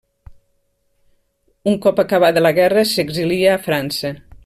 Un cop acabada la guerra s’exilia a França.